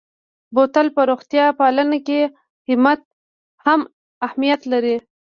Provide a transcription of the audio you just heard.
بوتل په روغتیا پالنه کې هم اهمیت لري.